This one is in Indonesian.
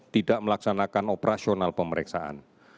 tidak melaksanakan operasional pemeriksaan